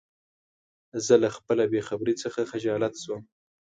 زه له خپله بېخبری څخه خجالت شوم.